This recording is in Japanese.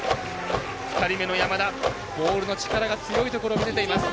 ２人目の山田ボールの力が強いところを見せています。